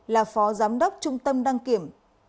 là phó giám đốc trung tâm đăng kiểm